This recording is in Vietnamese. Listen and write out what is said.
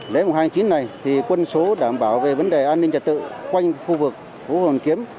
lễ mùng hai tháng chín này quân số đảm bảo về vấn đề an ninh trẻ tự quanh khu vực hồ hoàn kiếm